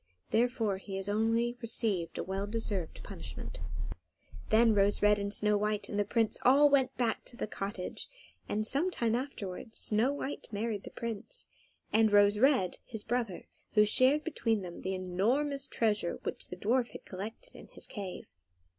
Therefore he has only received a well deserved punishment." [Illustration: "THE BEARSKIN SLIPPED TO THE GROUND."] Then Rose Red and Snow White and the Prince all went back to the cottage, and some time afterwards Snow White married the Prince, and Rose Red, his brother, who shared between them the enormous treasure which the dwarf had collected in his cave.